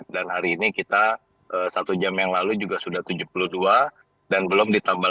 dan hari ini kita satu jam yang lalu juga sudah tujuh puluh dua dan belum ditambah lagi